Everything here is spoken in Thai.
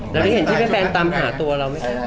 แล้วไม่เห็นที่แม่แฟนตามหาตัวเราไหมครับ